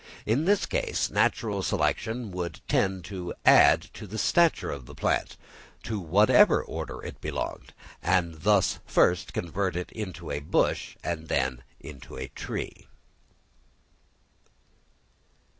In this case, natural selection would tend to add to the stature of the plant, to whatever order it belonged, and thus first convert it into a bush and then into a tree.